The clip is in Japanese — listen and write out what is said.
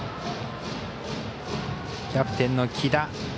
キャプテンの来田。